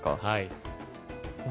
はい。